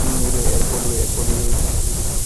এর পরেই ঘটে বিপত্তি।